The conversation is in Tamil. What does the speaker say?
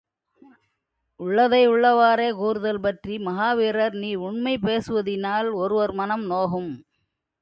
உள்ளதை உள்ளவாறே கூறுதல் பற்றி, மகாவீரர், நீ உண்மை பேசுவதினால் ஒருவர் மனம் நோகும்.